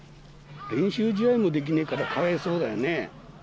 練習試合もできねえから、かわいそうだよね。